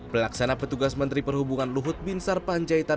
pelaksana petugas menteri perhubungan luhut binsar panjaitan